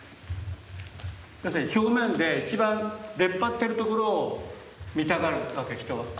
要するに表面で一番出っ張ってる所を見たがるわけ人は。